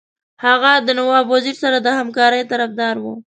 هغه د نواب وزیر سره د همکارۍ طرفدار وو.